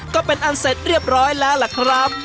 ก็เป็นอันเสร็จเรียบร้อยแล้วล่ะครับ